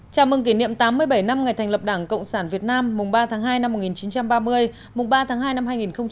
chào mừng kỷ niệm tám mươi bảy năm ngày thành lập đảng cộng sản việt nam mùng ba tháng hai năm một nghìn chín trăm ba mươi mùng ba tháng hai năm hai nghìn hai mươi